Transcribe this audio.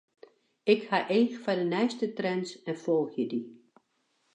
Ik ha each foar de nijste trends en folgje dy.